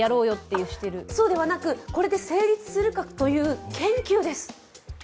そうではなく、これで成立するかという研究です。